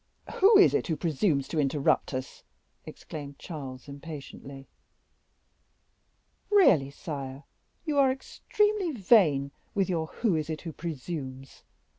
"Who is it who presumes to interrupt us?" exclaimed Charles, impatiently. "Really, sire, you are extremely vain with your 'who is it who presumes?